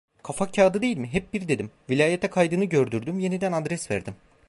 Kafakağıdı değil mi, hep bir, dedim, vilayete kaydını gördürdüm, yeniden adres verdim.